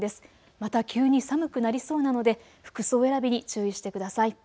また急に寒くなりそうなので服装選びに注意してください。